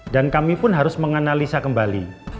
dan kami pun harus menganalisa kembali